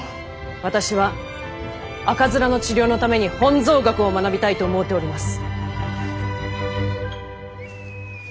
私は赤面の治療のために本草学を学びたいと思うております。